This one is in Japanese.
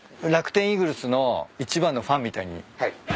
楽天イーグルスの一番のファンみたいに。